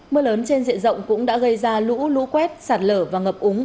mưa lớn trên diện rộng cũng đã gây ra lũ lũ quét sạt lở và ngập úng